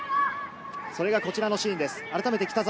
それがこちらのシーンです。